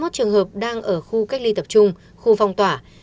hai mươi một trường hợp đang ở khu cách ly tập trung khu phòng tỏa